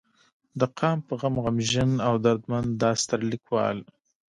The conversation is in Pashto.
د قام پۀ غم غمژن او درمند دا ستر ليکوال